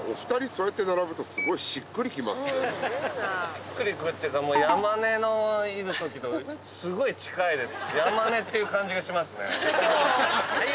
しっくり来るっていうか山根のいる時とすごい近いです。